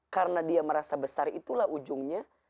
karena dia merasa besar itulah ujungnya